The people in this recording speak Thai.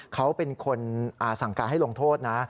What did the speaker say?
เขาเป็นคนสั่งการให้ลงโทษนะ